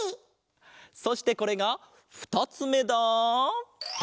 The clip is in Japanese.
そしてこれがふたつめだ！